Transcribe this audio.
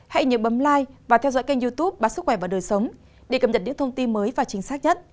hãy nhớ bấm lai và theo dõi kênh youtube báo sức khỏe và đời sống để cập nhật những thông tin mới và chính xác nhất